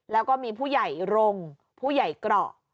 แล้วก็มีผู้ใหญ่รงค์ผู้ใหญ่เกราะ